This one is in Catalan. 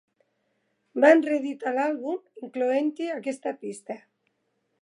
Van reeditar l'àlbum incloent-hi aquesta pista.